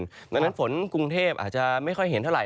ดังนั้นฝนกรุงเทพอาจจะไม่ค่อยเห็นเท่าไห